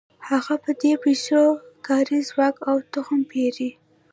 هغه په دې پیسو کاري ځواک او تخم پېري